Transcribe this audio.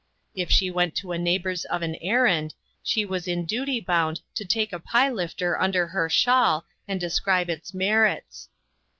If she went to a neighbor's of an errand, she was in duty bound to take a pie lifter under her shawl, and describe its merits.